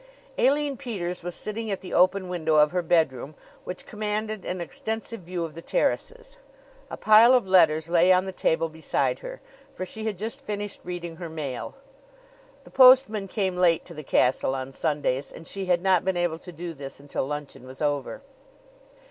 Aline Peters was sitting at the open window of her bedroom, which commanded an extensive view of the terraces. A pile of letters lay on the table beside her, for she had just finished reading her mail. The postman came late to the castle on Sundays and she had not been able to do this until luncheon was over.